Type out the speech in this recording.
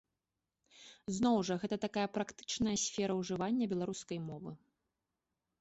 Зноў жа, гэта такая практычная сфера ўжывання беларускай мовы.